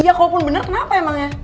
iya kalaupun bener kenapa emangnya